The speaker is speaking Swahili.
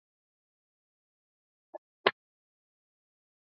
nchi ya wote napatia mkono ya idd